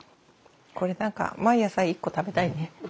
これ何か毎朝１個食べたいね。